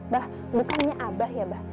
bah bukannya abah ya bah